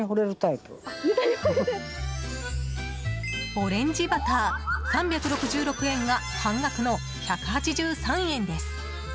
オレンジバター、３６６円が半額の１８３円です。